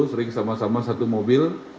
sering sama sama satu mobil